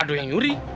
ada yang nyuri